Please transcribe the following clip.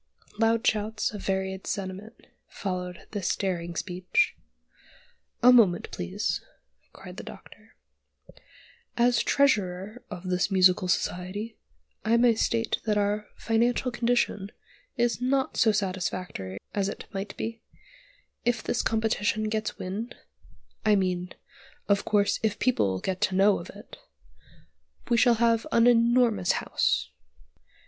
Loud shouts, of varied sentiment, followed this daring speech. "A moment, please," cried the Doctor; "as Treasurer of this Musical Society I may state that our financial condition is not so satisfactory as it might be: if this competition gets wind I mean, of course, if people get to know of it, we shall have an enormous house."